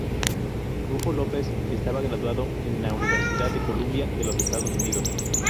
Rufo López estaba graduado en la Universidad de Columbia de los Estados Unidos.